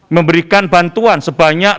memberikan bantuan sebanyak